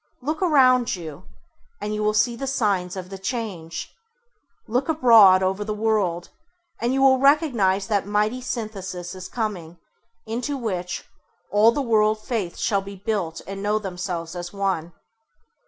Look around you, and you will see the signs of the change. Look abroad over the world, and you will recognise that mighty synthesis is coming, into which, all the world faiths shall be built and know themselves as one.